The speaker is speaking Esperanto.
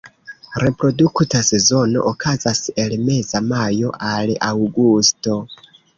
Reprodukta sezono okazas el meza majo al aŭgusto.